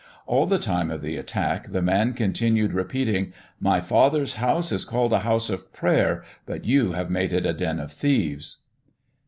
All the time of the attack the Man continued repeating, "My Father's house is called a house of prayer, but you have made it a den of thieves."